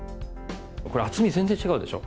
これ厚み全然違うでしょ？